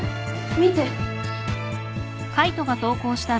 見て。